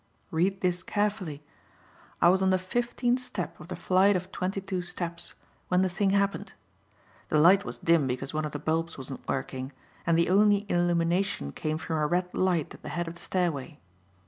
"Read this carefully. I was on the fifteenth step of the flight of twenty two steps when the thing happened. The light was dim because one of the bulbs wasn't working and the only illumination came from a red light at the head of the stairway.